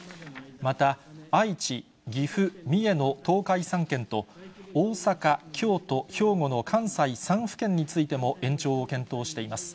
また、愛知、岐阜、三重の東海３県と、大阪、京都、兵庫の関西３府県についても延長を検討しています。